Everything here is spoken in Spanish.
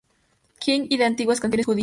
King y de antiguas canciones judías.